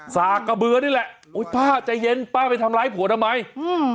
สากกระเบือนี่แหละโอ้ยป้าใจเย็นป้าไปทำร้ายผัวทำไมอืม